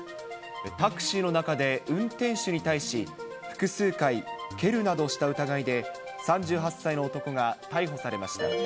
タクシーの中で運転手に対し、複数回蹴るなどした疑いで、３８歳の男が逮捕されました。